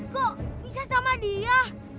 kok bisa sama dia